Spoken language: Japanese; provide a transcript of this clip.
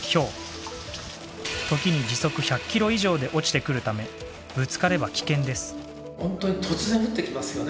時に時速１００キロ以上で落ちてくるためぶつかれば危険です。